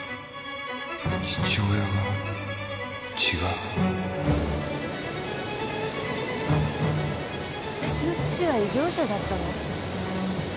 父親が違う？あたしの父は異常者だったの？